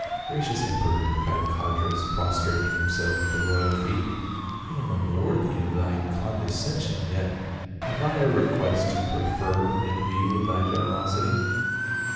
" Gracious emperor," cried Codrus prostrating him self at the royal feet, " I am unworthy of thy con descension, yet have I a request to prefer in view of thy generosity."